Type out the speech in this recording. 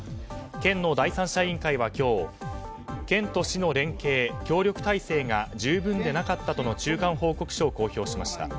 県の第三者委員会は今日県と市の連携、協力体制が十分でなかったとの中間報告書を公表しました。